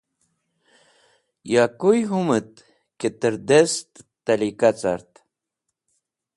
Ya kuy hũmit ki tẽr dest tẽlika cart